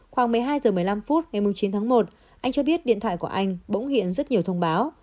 khoảng một mươi hai h một mươi năm phút ngày chín tháng một anh cho biết điện thoại của anh bỗng hiện rất nhiều thông báo